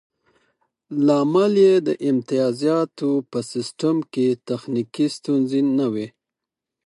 لامل یې د امتیازاتو په سیستم کې تخنیکي ستونزې نه وې